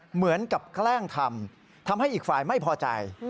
เหมือนกับแกล้งทำทำให้อีกฝ่ายไม่พอใจ